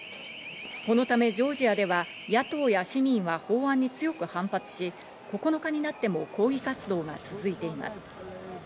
このためジョージアでは野党や市民は法案に強く反発し、９日になっても抗議活動が続いています。